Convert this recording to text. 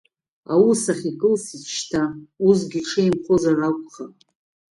Аус ахь икылсит шьҭа, усгьы иҽеимхозар акәхап…